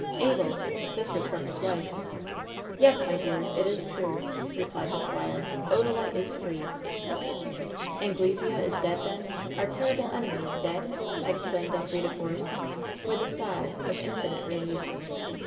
"Abel!" This was from his wife. "Yes, my dears, it is true !" replied the squire. "Oda lite is free !" "Anglesea is dead, then? Our terrible eijemy is dead !" exclaimed Elf rida Force, with a sigh of infinite relief.